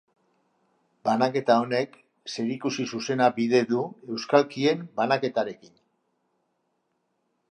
Banaketa honek zerikusi zuzena bide du euskalkien banaketarekin.